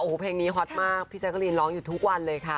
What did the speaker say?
โอ้โหเพลงนี้ฮอตมากพี่แจ๊กรีนร้องอยู่ทุกวันเลยค่ะ